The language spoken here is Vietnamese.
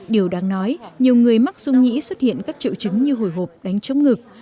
điều đáng nói nhiều người mắc dung nhĩ xuất hiện các triệu chứng như hồi hộp đánh chống ngực